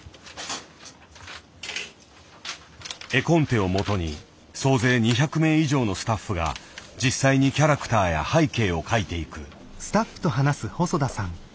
絵コンテをもとに総勢２００名以上のスタッフが実際にキャラクターや背景を描いていく。